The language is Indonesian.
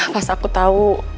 pas aku tau